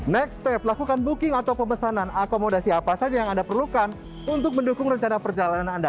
next step lakukan booking atau pemesanan akomodasi apa saja yang anda perlukan untuk mendukung rencana perjalanan anda